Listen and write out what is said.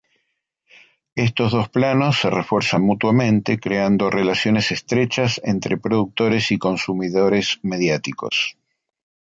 Estos dos planos se refuerzan mutuamente, creando relaciones estrechas entre productores y consumidores mediáticos.